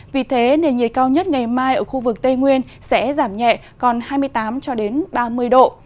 vì thế nền nhiệt cao nhất ngày mai ở khu vực tây nguyên sẽ giảm nhẹ còn hai mươi tám ba mươi độ